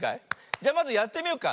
じゃまずやってみよっか。